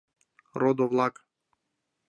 — Родо-влак!..